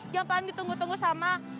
yang paling ditunggu tunggu sama